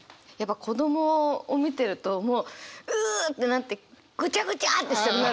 子どもを見てるともうううってなってぐちゃぐちゃってしたくなる！